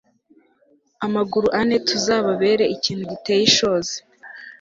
amaguru ane tuzababere ikintu giteye ishozi